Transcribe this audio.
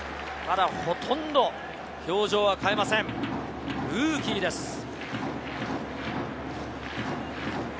まだほとんど表情は変えません、ルーキーです。